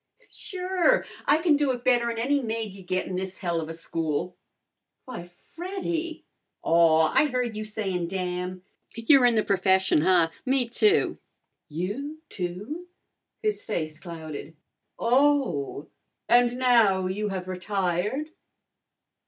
"Sure! I kin do it better'n any maid you'd get in this helluva school." "Why, Freddy!" "Aw, I heard you sayin' damn! You're in the p'fession, huh? Me, too." "You, too?" His face clouded. "Oh! And now you have retired?"